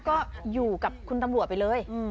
ก็อยู่กับคุณตำรวจไปเลย